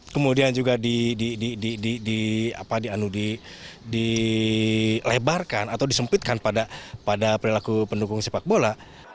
kemudian juga dilebarkan atau disempitkan pada perilaku pendukung sepak bola